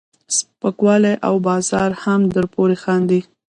سپکوالی او بازار هم درپورې خاندي.